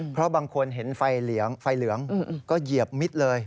เพราะบางคนเห็นไฟเหลืองก็เหยียบมิดเลย